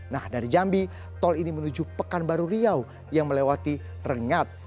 nah dari jambi tol ini menuju pekanbaru riau yang melewati rengat